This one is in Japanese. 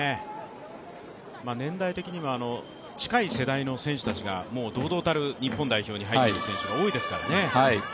年代的には近い世代の選手たちが堂々たる日本代表に入っている選手が多いですからね。